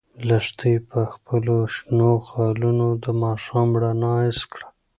لښتې په خپلو شنو خالونو د ماښام رڼا حس کړه.